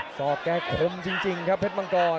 สอบแกคมจริงครับเพชรมังกร